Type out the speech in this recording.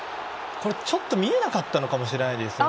これ、ちょっと見えなかったのかもしれないですね。